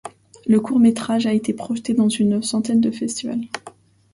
Le court métrage a été projeté dans une centaine de festivals.